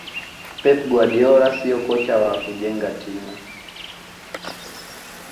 pep guardiola siyo kocha wa kujenga timu